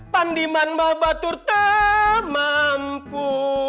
pandiman ma batur teh mampu